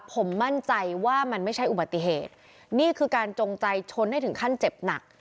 ผมมั่นใจว่ามันไม่ใช่อุบัติเหตุนี่คือการจงใจชนให้ถึงขั้นเจ็บหนัก